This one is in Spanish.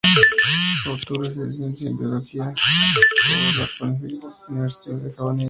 Obtuvo su licenciatura en biología por la Pontificia Universidad Javeriana.